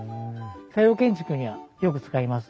西洋建築にはよく使います。